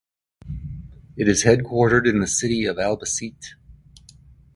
It is headquartered in the city of Albacete.